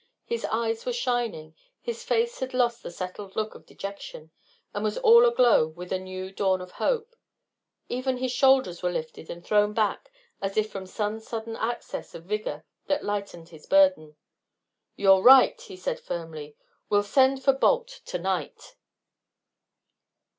His eyes were shining, his face had lost the settled look of dejection, and was all aglow with a new dawn of hope. Even his shoulders were lifted and thrown back as if from some sudden access of vigor that lightened his burden. "You're right!" he said, firmly. "We'll send for Balt to night."